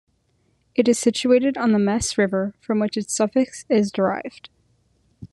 It is situated on the Mess River, from which its suffix is derived.